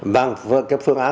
vâng cái phương án